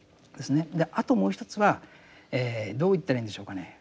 あともう一つはどう言ったらいいんでしょうかね。